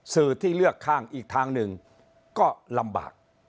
สื่อที่เลือกข้างอีกทางหนึ่งก็ลำบาก